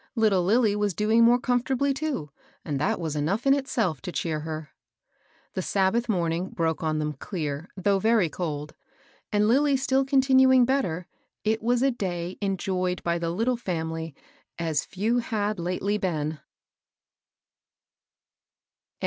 Little Lilly was doing more com fortably too, and that was enough in itself to cheer her. The Sabbath morning broke on them clear, though very cold, and Lilly still continuing better, it was a day enjoyed by the Htde &mily as few had lately been.